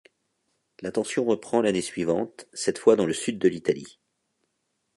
La tension reprend l'année suivante, cette fois dans le sud de l'Italie.